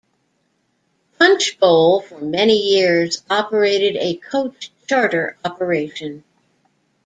Punchbowl for many years operated a coach charter operation.